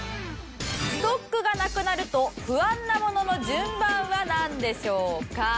ストックがなくなると不安なものの順番はなんでしょうか？